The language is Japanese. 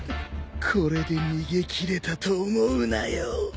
これで逃げ切れたと思うなよ。